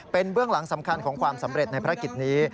เป็นเบื้องหลังสำคัญของความสำเร็จในภารกิจนี้